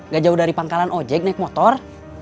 gak jauh dari pangkalan ojek naik motor